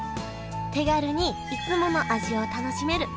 手軽にいつもの味を楽しめる。